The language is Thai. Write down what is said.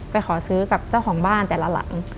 ขอซื้อกับเจ้าของบ้านแต่ละหลัง